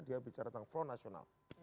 dia bicara tentang form nasional